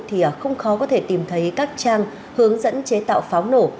thì không khó có thể tìm thấy các trang hướng dẫn chế tạo pháo nổ